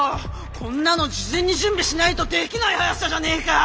こんなの事前に準備しないとできない早さじゃねえか！